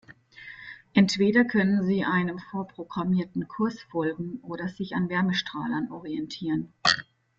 Entweder können sie einem vorprogrammierten Kurs folgen oder sich an Wärmestrahlern orientieren.